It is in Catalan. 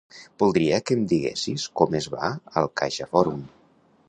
Voldria que em diguessis com es va al CaixaForum.